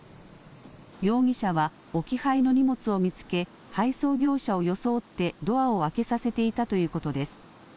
容疑者は置き配の荷物を見つけ配送業者を装ってドアを開けさせていたということです。